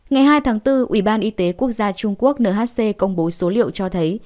ngày hai tháng bốn ủy ban y tế quốc gia trung quốc nhc công bố số liệu cho thấy